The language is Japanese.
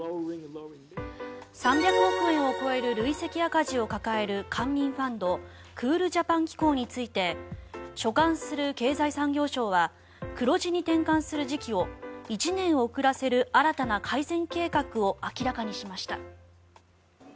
３００億円を超える累積赤字を抱える官民ファンドクールジャパン機構について所管する経済産業省は黒字に転換する時期を１年遅らせる新たな改善計画を明らかにしました。